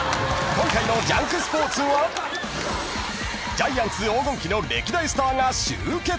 ［今回の『ジャンクＳＰＯＲＴＳ』はジャイアンツ黄金期の歴代スターが集結］